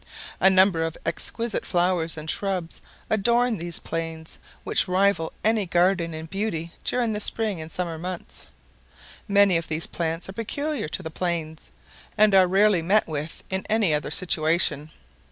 A number of exquisite flowers and shrubs adorn these plains, which rival any garden in beauty during the spring and summer months. Many of these plants are peculiar to the plains, and are rarely met with in any other situation.